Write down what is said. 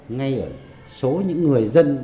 ngay ở số những người dân